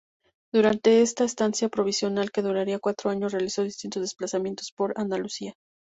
Durante esta estancia provisional, que duraría cuatro años, realizó distintos desplazamientos por Andalucía.